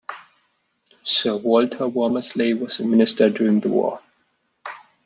Sir Walter Womersley was the Minister during the war.